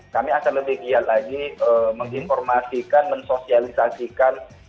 kami akan lebih giat lagi menginformasikan mensosialisasikan